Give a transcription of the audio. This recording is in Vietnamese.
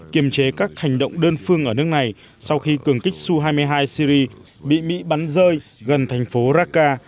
kiềm chế các hành động đơn phương ở nước này sau khi cường kích su hai mươi hai syri bị mỹ bắn rơi gần thành phố raka